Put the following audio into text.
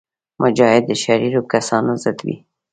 مجاهد د شریرو کسانو ضد وي.